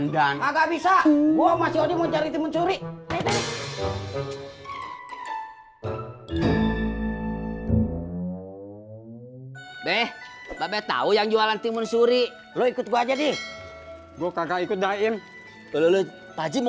deh tapi tahu yang jualan timun suri lo ikut gua jadi gua kagak ikut dain lulul paji mau